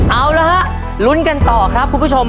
เอาละฮะลุ้นกันต่อครับคุณผู้ชม